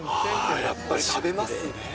やっぱり食べますね。